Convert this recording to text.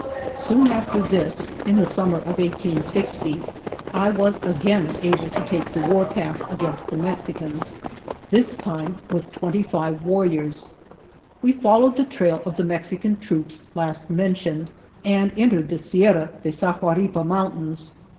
Soon after this (in the summer of 1860) I was again able to take the warpath against the Mexicans, this time with twenty five warriors. We followed the trail of the Mexican troops last mentioned and entered the Sierra de Sahuaripa Mountains.